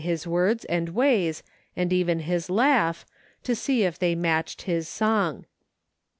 49 his words and ways, and even his laugh, to see if they matched his song.